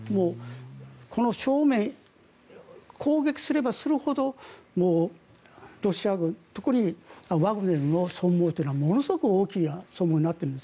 この正面攻撃すればするほどロシア軍、特にワグネルの損耗というのはものすごく大きい損耗になっているんです。